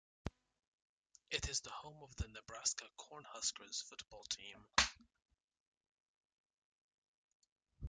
It is the home of the Nebraska Cornhuskers football team.